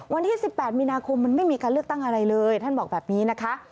วันที่๑๘มีนาคมมันไม่มีการเลือกตั้งอะไรเลยท่านบอกแบบนี้นะคะ